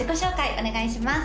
お願いします